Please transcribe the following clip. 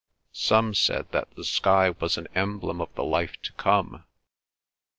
Some said that the sky was an emblem of the life to come.